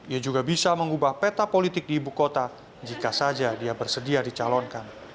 ia juga bisa mengubah peta politik di ibu kota jika saja dia bersedia dicalonkan